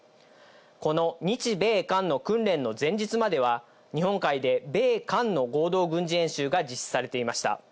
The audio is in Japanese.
この日米韓の訓練の前日までは日本海で米韓の合同軍事演習が実施されていました。